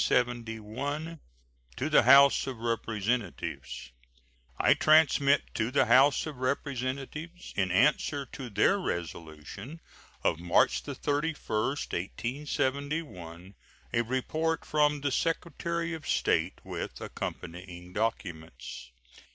To the House of Representatives: I transmit to the House of Representatives, in answer to their resolution of March 31, 1871, a report from the Secretary of State, with accompanying documents.